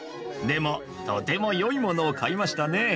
でもとてもよいものを買いましたね。